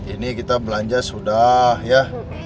ini kita belanja sudah ya